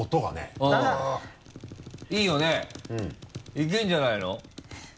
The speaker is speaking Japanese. いけるんじゃないの？